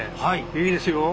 いいですよ。